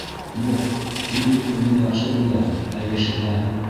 Юҡ, һин бит быны яҡшы беләһең, ә йәшерәһең.